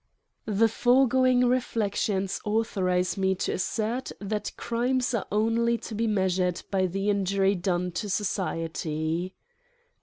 THE foregoing reflections authorise me to as sert that crimes are only to be measured by the injury done to society.